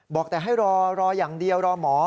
บอกแต่ให้รอรออย่างเดียวรอหมอ